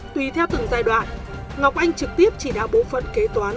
tùy theo từng giai đoạn ngọc anh trực tiếp chỉ đạo bộ phận kế toán